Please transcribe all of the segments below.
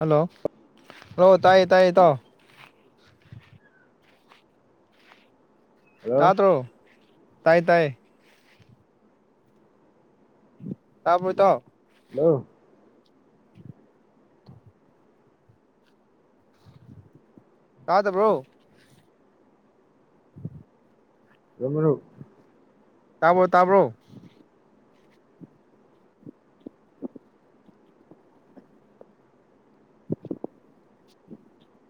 ꯍꯂꯥꯑ ꯍꯂꯥꯑ ꯇꯥꯏ ꯏꯇꯥꯑ ꯍꯂꯥꯑꯣ ꯇꯥ hello throw ꯇꯥꯏ ꯇꯥꯏ ꯇꯥꯕꯔꯣ ꯏꯇꯥꯑ [inaudible] ꯀꯥꯗꯕ꯭ꯔꯣ ꯔꯥꯃꯔꯨꯞ ꯇꯥꯕ꯭ꯔꯣ ꯇꯥꯕ꯭ꯔꯣ [inaudible]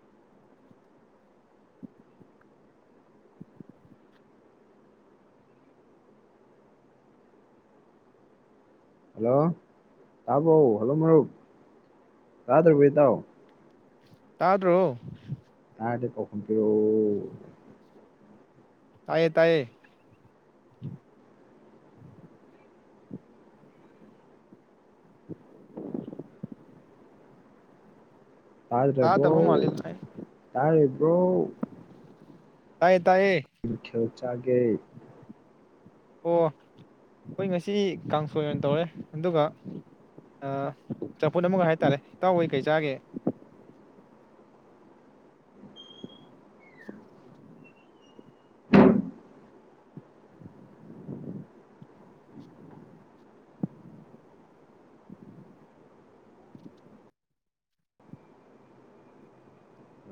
ꯍꯜꯂꯣ ꯇꯥꯕꯣ ꯍꯜꯂꯣ ꯃꯔꯨꯞ ꯇꯥꯗꯕꯔꯣ ꯏꯇꯥ ꯇꯗ꯭ꯔꯣ ꯌꯥꯗꯤ ꯄꯥꯎ ꯈꯨꯝ ꯄꯤꯔꯛꯑ ꯇꯥꯏꯌꯦ ꯇꯥꯏꯌꯦ ꯇꯥꯗꯔꯔꯕꯣ ꯇꯥꯗꯕ ꯃꯥꯜꯂꯤ ꯇꯥꯔꯤꯕꯣ ꯇꯥꯏ ꯀꯔꯤ ꯃꯊꯦꯜ ꯆꯥꯒꯦ ꯑꯣ ꯑꯩꯈꯣꯏ ꯉꯁꯤ ꯀꯥꯡꯁꯣꯏ ꯑꯣꯏꯅ ꯇꯧꯔꯦ ꯑꯗꯨꯒ ꯆꯝꯐꯨꯠ ꯑꯃꯒ ꯍꯥꯏꯇꯥꯔꯦ ꯏꯇꯥꯎꯍꯣꯏ ꯀꯩ ꯆꯥꯒꯦ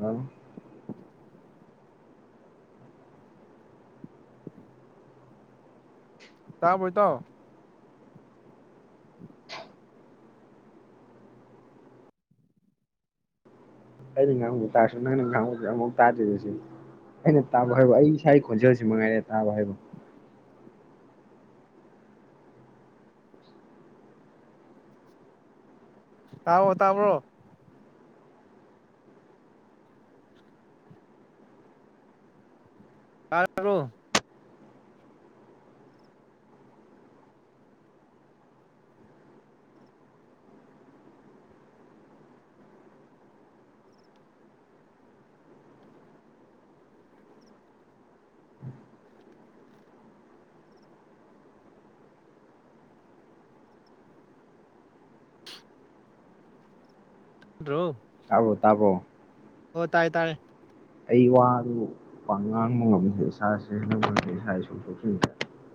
ꯍꯜꯂꯣ ꯇꯕꯔꯣ ꯏꯇꯥꯑ ꯑꯩꯅ ꯉꯥꯡꯕ ꯇꯥꯔꯁꯨ ꯅꯪꯅ ꯉꯥꯡꯕꯗ ꯑꯃꯨꯛ ꯇꯥꯗ꯭ꯔꯤꯕꯁꯤ ꯑꯩꯅ ꯇꯥꯕ ꯍꯥꯏꯕ ꯑꯩ ꯏꯁꯥꯒꯤ ꯈꯣꯟꯖꯦꯜꯁꯤ ꯃꯉꯥꯏꯔꯦ ꯇꯥꯕ ꯍꯥꯏꯕ ꯇꯕꯣ ꯇꯥꯕ꯭ꯔꯣ ꯇꯔꯕꯣ ꯊꯣ ꯇꯥꯕꯣ ꯇꯥꯕꯣ ꯑꯣ ꯇꯥꯔꯦ ꯇꯥꯔꯦ ꯑꯩ ꯋꯥꯗꯨ ꯋꯥ ꯉꯥꯡꯕ ꯉꯝꯃꯤꯗꯦ ꯏꯁꯥꯁꯦꯦ ꯏꯁꯥ ꯁꯣꯛꯊꯣꯛꯆꯁꯦ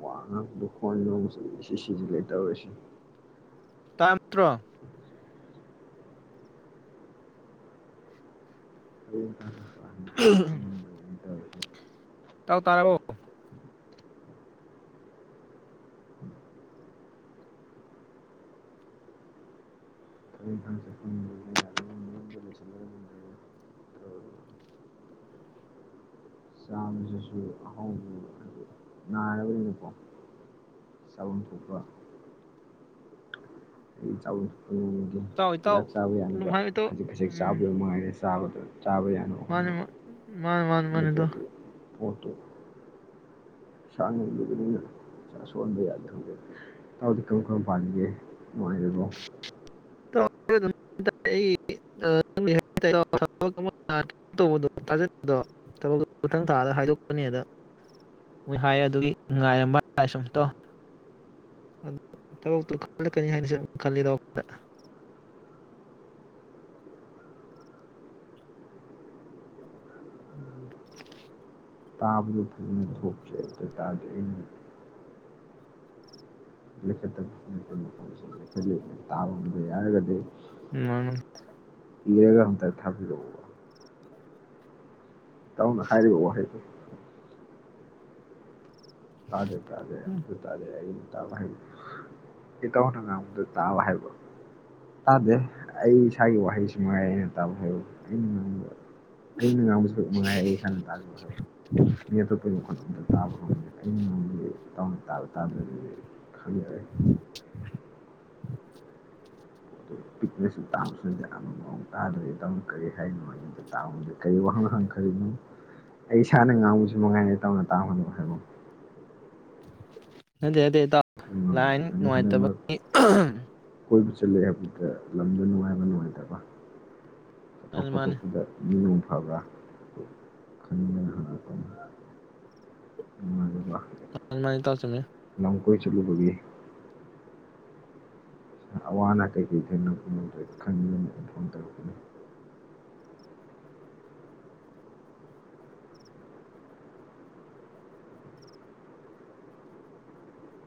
ꯋꯥ ꯉꯥꯡꯕꯗ ꯍꯣꯟꯕ ꯁꯤ ꯁꯤꯖꯤꯜꯂꯦ ꯇꯧꯔꯁꯤ ꯇꯥꯥꯔꯝ ꯇ꯭ꯔꯣ꯫ ꯍꯌꯦꯡ ꯇꯥꯟꯅ ꯆꯠꯄ ꯎꯨꯝꯍꯝ꯫ ꯉꯝꯗꯕꯅꯤ ꯇꯧꯔꯤꯁꯤ ꯇꯥꯎ ꯇꯥꯔꯕꯣ꯫ [unintelligible] ꯃꯌꯨꯝꯗ ꯂꯩꯁꯤꯜꯂꯒ ꯆꯥꯕꯁꯤꯁꯨ [unintelligible] ꯀꯣ ꯆꯥꯕꯝ ꯊꯣꯛꯄ ꯑꯩ ꯆꯥꯕꯝ [unintelligible] ꯃꯒꯤ ꯏꯇꯥꯎ ꯏꯇꯥꯎ ꯍꯤꯗꯥꯛ ꯆꯥꯕ ꯑꯗꯨꯝ ꯌꯥꯅꯕ ꯍꯥꯏꯌꯨ ꯏꯇꯥꯎ ꯈꯖꯤꯛ ꯈꯖꯤꯛ ꯎꯝ ꯆꯥꯕꯗꯨ ꯃꯉꯥꯏꯔꯦ ꯇꯥꯕꯗ꯫ ꯃꯥꯅꯦ ꯃꯥ ꯃꯥꯅꯦ ꯃꯥꯅꯦ ꯃꯥꯅꯦ ꯏꯇꯥꯎ꯫ ꯄꯣꯠꯇꯨ꯫ ꯁꯥꯟꯅꯔꯤꯕ [unintelligible] ꯅꯤꯅ ꯏꯁꯥꯁꯣꯛꯍꯟ ꯕ ꯌꯥꯗꯦ [unintelligible] ꯏꯇꯥꯎꯗꯤ ꯀꯔꯝ ꯀꯔꯝ ꯄꯥꯜꯂꯤꯒꯦ ꯅꯨꯡꯉꯥꯏꯔꯤꯕꯣ [inaudible] ꯊꯥꯕꯛꯇꯣ ꯃꯊꯪ ꯊꯥꯗ ꯍꯥꯏꯗꯣꯛꯀꯅꯤꯑꯗ ꯃꯣꯏꯍꯥꯏ ꯑꯗꯨꯒꯤ ꯉꯥꯏꯔꯝꯕ [unintelligible] ꯁꯨꯝ ꯏꯇꯥꯎ [unintelligible] ꯊꯥꯕꯛꯇꯨ ꯈꯟꯂꯛꯀꯥꯅꯤ ꯍꯥꯏꯕꯁꯦ ꯈꯟꯂꯤꯗ ꯋꯥꯈꯜꯗ꯫ ꯇꯥꯕꯗ [inaudible] ꯇꯥꯕ ꯉꯝꯕ ꯌꯥꯔꯒꯗꯤ ꯎꯨꯝ ꯃꯥꯟꯃꯥꯟ ꯂꯤꯡ ꯑꯝꯇ ꯊꯥꯕꯤꯔꯛꯑꯣꯕ ꯏꯇꯥꯎꯅ ꯍꯥꯏꯔꯤꯕ ꯋꯥꯍꯩꯗꯨ ꯇꯥꯗꯦ ꯇꯥꯗꯦ ꯑꯝꯐꯥꯎ ꯇꯥꯗꯦ ꯑꯩ ꯍꯥꯏꯕ ꯏꯇꯥꯎꯅ ꯉꯥꯡꯕꯗ ꯇꯥꯕ ꯍꯥꯏꯕ ꯇꯥꯗꯦ ꯑꯩ ꯏꯁꯥꯒꯤ ꯋꯥꯍꯩꯁꯤꯃꯥꯏ ꯑꯩꯅ ꯇꯥꯕ ꯍꯥꯏꯕ ꯑꯩꯅ ꯉꯥꯡꯕ ꯑꯩꯅ ꯉꯥꯡꯕ ꯁꯔꯨꯛ ꯃꯉꯥꯏ ꯑꯩ ꯏꯁꯥꯅ ꯇꯥꯖꯕꯕ ꯃꯤ ꯑꯇꯣꯞꯄꯒꯤ ꯃꯈꯣꯜ ꯑꯝꯇ ꯇꯥꯕ ꯉꯝꯗꯦ ꯑꯩ ꯅꯒꯤ ꯏꯇꯥꯎꯅ ꯇꯥꯕ ꯇꯥꯗ꯭ꯔꯗꯤ ꯈꯜꯂꯤ [inaudible] ꯑꯗꯨ ꯄꯤꯛꯅꯁꯨ ꯇꯥꯕꯁꯤꯗ ꯌꯥꯝꯅ ꯃꯑꯣꯡ ꯇꯥꯗ꯭ꯔꯗꯤ ꯏꯇꯥꯎꯅ ꯀꯔꯤ ꯍꯥꯏꯔꯤꯅꯣ ꯍꯥꯏꯗ ꯇꯥꯕꯗ ꯀꯔꯤ ꯋꯥꯍꯪ ꯍꯪꯈꯔꯤꯅꯣ ꯑꯩ ꯏꯁꯥꯅ ꯉꯥꯡꯕꯁꯨ ꯃꯅꯨꯡꯉꯥꯏꯅ ꯇꯧꯅ ꯇꯥꯕꯅꯣ ꯍꯥꯏꯕ ꯅꯪꯒꯤ ꯑꯗꯦ ꯇ ꯉꯝꯗꯦ ꯂꯥꯏꯟ ꯅꯪ ꯍꯟꯗꯛ ꯃꯔꯛ ꯅꯨꯡꯉꯥꯏꯇꯕꯒꯤ ꯑꯍꯝ ꯀꯣꯏꯕ ꯆꯠꯂꯦ ꯑꯗꯨꯒ ꯂꯝꯗꯣ ꯅꯨꯡꯉꯥꯏꯕ ꯅꯨꯡꯉꯥꯏꯇꯕ ꯐꯊꯣꯛ ꯃꯥꯅꯤ ꯃꯥꯅꯤ ꯐꯊꯣꯛꯄꯗ ꯑꯐꯕ꯭ꯔꯥ ꯈꯪꯅꯤꯡꯗꯅ ꯍꯪꯉꯛꯄꯅꯤ ꯅꯨꯡꯉꯥꯏꯖꯕ ꯃꯥꯏ-ꯇ-ꯇꯥꯛꯆꯅꯤ ꯀꯣꯏ ꯆꯠꯂꯨꯕꯒꯤ ꯑꯋꯥ ꯑꯅꯥ ꯀꯩꯀꯩ ꯊꯦꯡꯅꯔꯛꯄꯅꯣꯗꯨ ꯈꯪꯅꯤꯡꯗꯅ ꯇꯧꯔꯛꯄꯅꯤ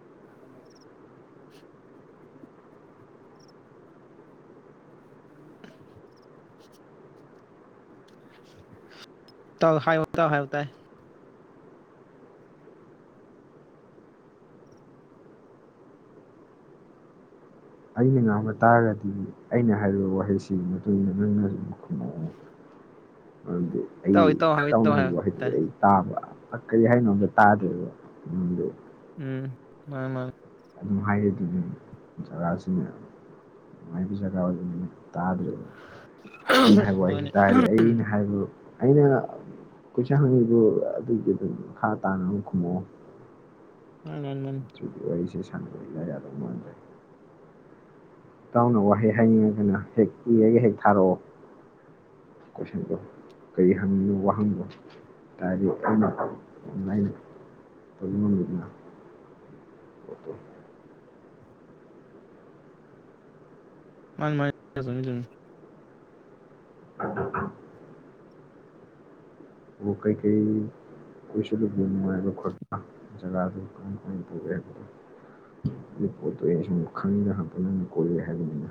[unintelligible] [unintelligible] ꯢꯇꯥꯎ ꯍꯥꯏ ꯢꯇꯥꯎ ꯍꯥꯏ ꯇꯥꯏ ꯑꯩꯅ ꯉꯥꯡꯕ ꯇꯥꯔꯒꯗꯤ ꯑꯩꯅ ꯍꯥꯏꯔꯤꯕ ꯋꯥꯍꯩꯁꯤꯒꯤ ꯃꯇꯨꯡ ꯏꯟꯅ ꯅꯪꯅꯁꯨ ꯈꯨꯝꯃꯛꯑꯣꯕ ꯃꯔꯝꯗꯤ ꯑꯩ ꯏꯇꯥꯎ ꯏꯇꯥꯎ ꯍꯥꯏꯌꯣ ꯏꯇꯥꯎꯅ ꯏꯇꯥꯎ ꯍꯥꯏꯌꯣ ꯍꯥꯏꯕ ꯋꯥꯍꯩꯗꯨꯗꯤ ꯇꯥꯏ ꯑꯩ ꯇꯥꯕ ꯀꯔꯤ ꯍꯥꯏꯅꯣ ꯑꯝꯇ ꯇꯥꯗ꯭ꯔꯦꯕ ꯎꯝ ꯃꯥꯅꯦ ꯃꯥꯅꯦ ꯑꯗꯨꯝ ꯍꯥꯏꯔꯤꯗꯨꯅꯤ ꯖꯒꯥꯁꯤꯅꯦ ꯅꯨꯡꯉꯥꯏꯕ ꯖꯒꯥ ꯑꯣꯏꯗ [unintelligible] ꯇꯥꯗ꯭ꯔꯦ ꯑꯩꯅ ꯍꯥꯏꯕ ꯋꯥꯍꯩꯁꯤ ꯃꯥꯅꯤ ꯇꯥꯔꯦ ꯑꯩꯅ ꯍꯥꯏꯕ ꯑꯩꯅ ꯀꯣꯏꯁꯟ ꯍꯪꯉꯤꯗꯨ ꯑꯗꯨꯒꯤ ꯑꯗꯨꯝ ꯃꯈꯥ ꯇꯥꯅ ꯑꯗꯨꯝ ꯈꯨꯝꯃꯛꯑꯣ [unintelligible] ꯏ ꯁꯥꯟꯅꯕꯗꯣ ꯏꯌꯥ ꯌꯥꯗꯧ ꯃꯥꯟꯗ꯭ꯔꯦ꯫ ꯏꯇꯥꯎꯅ ꯋꯥꯍꯩ ꯍꯥꯏꯅꯤꯡꯉꯒꯅ ꯍꯦꯛ ꯏꯔꯒ ꯍꯦꯛ ꯊꯥꯔꯛꯑꯣ ꯀꯣꯏꯁꯟꯗꯣ ꯀꯔꯤ ꯍꯪ [unintelligible] ꯅꯣ ꯋꯥꯍꯪꯗꯣ ꯍꯥꯏꯇꯥꯔꯗꯤ ꯑꯩꯅ ꯌꯥꯝ ꯂꯥꯏꯅ ꯇꯧꯕ ꯉꯝꯃꯤꯗꯅ꯫ ꯃꯥꯅꯤ [unintelligible] [inaudible] ꯑꯣ ꯀꯩꯀꯩ ꯀꯣꯏꯁꯤꯂꯨꯒꯦ ꯅꯨꯡꯉꯥꯏꯕ ꯈꯣꯠꯄ ꯖꯒꯥꯗꯨ ꯀꯃꯥꯏ ꯀꯃꯥꯏ ꯇꯧꯋꯦ ꯍꯥꯏꯕꯗꯣ ꯑꯗꯨ ꯄꯣꯠꯇꯣ ꯑꯩꯅ ꯁꯨꯝ [unintelligible] ꯍꯥꯏꯕꯅꯤꯅ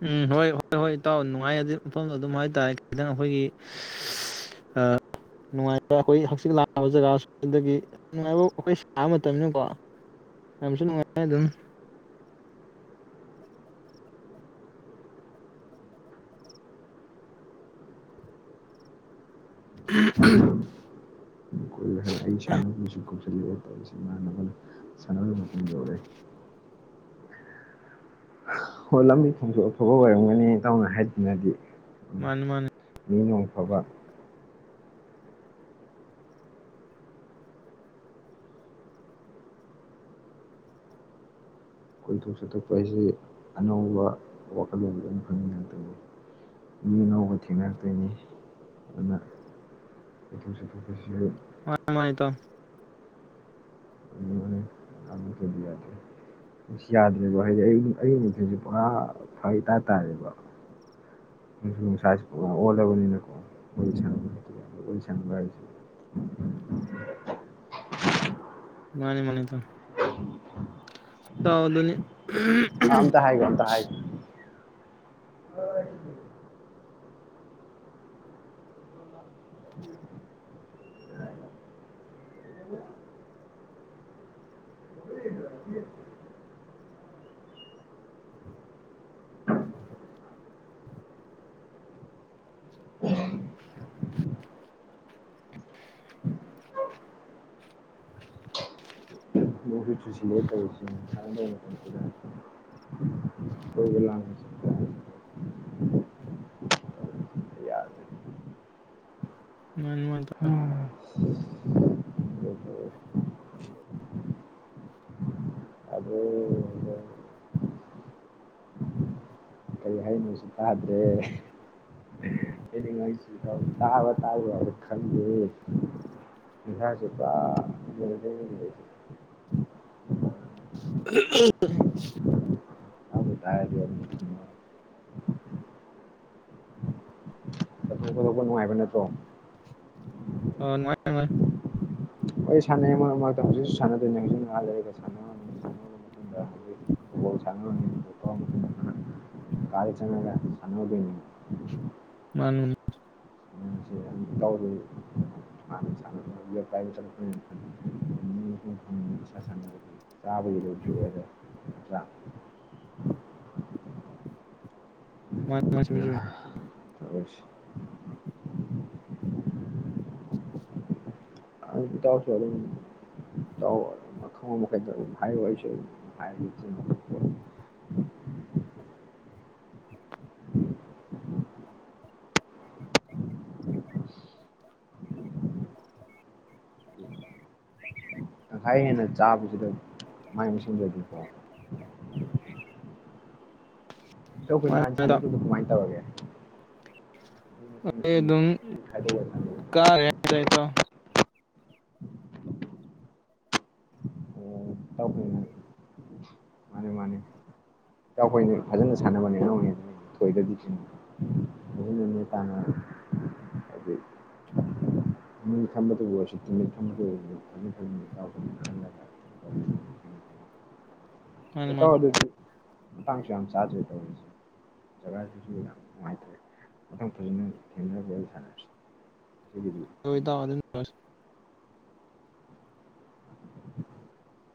ꯎꯝ ꯍꯣꯏ ꯍꯣꯏ ꯍꯣꯏ ꯏꯇꯥꯎ ꯅꯨꯡꯉꯥꯏ ꯑꯗꯨ ꯃꯐꯝꯗꯣ ꯑꯗꯨꯝ ꯍꯥꯏꯇꯥꯔꯦ ꯈꯤꯇꯪ ꯑꯩꯈꯣꯏꯒꯤ ꯅꯨꯡꯉꯥꯏꯕ ꯑꯩꯈꯣꯏ ꯍꯛꯆꯤ ꯂꯥꯛꯕ ꯖꯒꯥ ꯑꯗꯨꯗꯒꯤ ꯅꯨꯡꯉꯥꯏꯕ ꯑꯩꯈꯣꯏ ꯁꯥꯕ ꯃꯇꯝꯅꯤꯅꯀꯣ ꯌꯥꯝꯁꯨ ꯅꯨꯡꯉꯥꯏ ꯑꯗꯨꯝ꯫ ꯀꯣꯏꯔꯨꯏ [unintelligible] ꯍꯥꯏꯕ ꯑꯩ ꯁꯥꯟꯅꯕꯁꯨ ꯀꯧꯁꯤꯜꯂꯦ ꯇꯧꯁꯤ ꯏꯃꯥꯅꯕꯅ ꯁꯥꯟꯅꯕ ꯃꯇꯝ ꯌꯧꯔꯦ꯫ ꯑꯣ ꯂꯝꯕꯤ ꯊꯣꯡꯗꯣ ꯑꯐꯕ ꯑꯣꯏꯔꯝꯒꯅꯤ ꯇꯧꯅ ꯍꯥꯏꯗꯅꯗꯤ꯫ ꯃꯥꯅꯤ ꯫ ꯕꯤ ꯅꯣꯡꯐꯕ꯫ ꯀꯣꯏꯊꯣꯛ ꯆꯠꯊꯣꯛꯄ ꯍꯥꯏꯁꯤ ꯑꯅꯧꯕ ꯋꯥꯈꯜꯂꯣꯟ ꯑꯗꯨꯝ ꯐꯪꯉꯤꯉꯥꯇꯥꯅꯤ ꯃꯤ ꯑꯅꯧꯕ ꯊꯦꯡꯅꯔꯛꯇꯣꯏꯅꯤ ꯑꯗꯨꯅ ꯀꯣꯏꯊꯣꯛ ꯆꯠꯊꯣꯛꯄꯁꯤ꯫ ꯃꯥꯅꯤ ꯃꯥꯅꯤ ꯇꯥꯎ꯫ [unintelligible] ꯗꯤ ꯌꯥꯗꯦ ꯑꯁ ꯌꯥꯗ꯭ꯔꯦ ꯍꯥꯏꯗꯤ ꯑꯩ ꯑꯌꯨꯒ ꯅꯨꯡꯊꯤꯟꯁꯨ ꯄꯨꯔꯥ ꯐꯛ ꯏꯇꯥꯇꯥꯥꯔꯦꯕ ꯅꯨꯡꯁꯨꯨ ꯅꯨꯡꯁꯥꯁꯨ ꯄꯨꯔꯥ ꯑꯣꯜꯂꯕꯅꯤꯅꯀꯣ ꯋꯥꯔꯤ ꯁ ꯋꯥꯔꯤ ꯁꯅꯕ ꯍꯥꯏꯁꯦ꯫ ꯃꯥꯅꯤ ꯃꯥꯅꯤ ꯏꯇꯥꯎ꯫ ꯥꯇꯥꯎ ꯑꯗꯨꯅꯤ꯫ ꯑꯥ ꯑꯇ ꯍꯥꯏꯒꯣ ꯑꯝꯇ ꯍꯥꯏ [unintelligible] [unintelligible] [unintelligible] [unintelligible] ꯌꯥꯗ꯭ꯔꯦ ꯃꯥꯅꯤ ꯃꯥꯅꯤ ꯇꯥꯎ꯫ [unintelligible] ꯑꯗꯣ ꯀꯔꯤ ꯍꯥꯏꯅꯣꯁꯨ ꯇꯥꯗ꯭ꯔꯦ꯫ ꯑꯩꯅ ꯉꯥꯡꯁꯤꯗ ꯇꯥꯕ ꯇꯥꯕ꯭ꯔꯥꯕ ꯈꯪꯗꯦ ꯏꯁꯥꯁꯨ ꯄꯥ [unintelligible] [unintelligible] ꯀꯗꯣꯛꯄ ꯅꯨꯡꯉꯥꯏꯕ ꯅꯠꯇ꯭ꯔꯣ꯫ ꯑꯣ ꯅꯉꯥꯏ ꯅꯨꯉꯥꯏ꯫ ꯑꯣꯏ ꯁꯥꯟꯅꯩ ꯃꯛꯃꯛꯇ ꯍꯧꯖꯤꯛꯁꯨ ꯁꯥꯅꯗꯣꯏꯅꯦ ꯍꯨꯖꯤꯛ ꯉꯥꯛ ꯂꯩꯔꯒ ꯁꯥꯅꯕ [unintelligible] [unintelligible] [unintelligible] [unintelligible] ꯃꯥꯅꯤ ꯑ꯫ [unintelligible] [unintelligible] [inaudible] [inaudible] ꯇꯪꯈꯥꯏ ꯍꯦꯟꯅ ꯆꯥꯕꯁꯤꯗ꯫ ꯃꯥꯏ ꯑꯃ ꯁꯦꯝꯖꯔꯗꯤꯀꯤ꯫ ꯑꯩꯈꯣꯏ ꯅꯍꯥꯟ ꯃꯥꯅꯤ ꯏꯇꯥꯎ ꯁꯥꯟꯅꯩꯗꯨꯗꯣ ꯀꯃꯥꯏꯅ ꯇꯧꯔꯒꯦ꯫ ꯃꯁꯤꯡ ꯑꯦ ꯃꯁꯤꯡ ꯑꯗꯨꯝ ꯈꯥꯏꯗꯣꯛꯑ ꯁꯥꯟꯅꯩ ꯀꯥꯔꯦ ꯇꯦꯇ [unintelligible] ꯇꯈꯅ ꯃꯥꯅꯤ ꯃꯥꯅꯤ ꯏꯇꯥꯎꯈꯣꯏꯅ ꯐꯖꯅ ꯁꯥꯟꯅꯕꯅꯦ ꯑꯉꯎꯅꯦ ꯊꯣꯏꯗꯗꯤ ꯊꯅ ꯐꯅ ꯇꯥꯅ ꯍꯥꯏꯗꯤ ꯅꯨꯃꯤꯠ ꯈꯝꯕꯗꯨꯕꯨ ꯑꯣꯏꯔꯁꯨ ꯇꯤꯃꯤꯠ ꯊꯝꯕꯗꯨꯕꯨ ꯑꯣꯏꯔ ꯐꯈ ꯃꯥꯅꯤ ꯑꯦꯠꯇꯥꯎ ꯃꯥꯅꯤ ꯑꯣꯏꯗꯗꯤ ꯃꯇꯥꯡꯁꯨ ꯌꯥꯝ ꯆꯥꯗ꯭ꯔꯦ ꯇꯧꯔꯤꯁꯦ ꯖꯒꯥꯁꯤꯁꯨ ꯌꯥꯝ ꯅꯨꯡꯉꯥꯏꯇ꯭ꯔꯦ ꯃꯥꯡ ꯐꯖꯅ ꯊꯦꯡꯅꯔ ꯁꯥꯟꯅꯔꯁꯤ ꯑꯣꯏꯣꯏ ꯊ ꯑꯗꯨ [unintelligible]